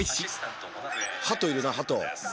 ハトいるなハト。